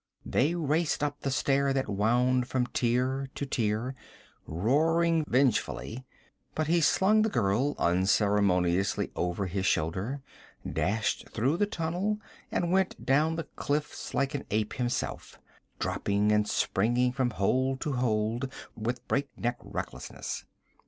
They raced up the stair that wound from tier to tier, roaring vengefully; but he slung the girl unceremoniously over his shoulder, dashed through the tunnel and went down the cliffs like an ape himself, dropping and springing from hold to hold with breakneck recklessness.